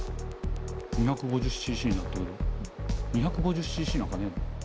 ２５０ｃｃになった２５０ｃｃなんかねえな。